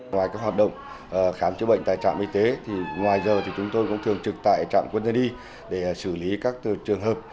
ngoài các hoạt động khám chữa bệnh tại trạm y tế thì ngoài giờ thì chúng tôi cũng thường trực tại trạm quân dân y để xử lý các trường hợp